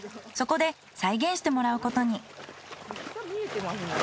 そこで再現してもらうことに。